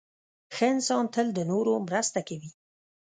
• ښه انسان تل د نورو مرسته کوي.